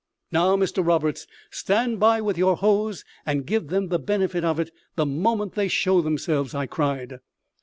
"Now, Mr Roberts, stand by with your hose, and give them the benefit of it the moment they show themselves," I cried.